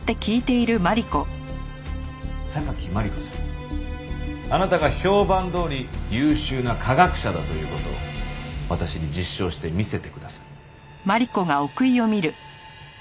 榊マリコさんあなたが評判どおり優秀な科学者だという事を私に実証してみせてください。